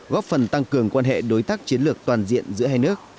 góp phần tăng cường quan hệ đối tác chiến lược toàn diện giữa hai nước